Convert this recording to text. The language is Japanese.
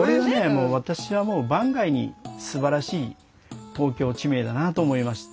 もう私は番外にすばらしい東京地名だなと思いました。